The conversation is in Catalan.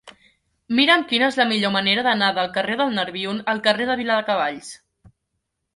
Mira'm quina és la millor manera d'anar del carrer del Nerbion al carrer de Viladecavalls.